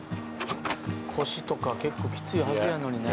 腰とか結構きついはずやのにね。